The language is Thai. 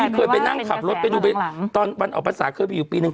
ปุ๊ไปนั่งขับรถตอนอพศศาสตร์เคยมาอยู่ปีนึง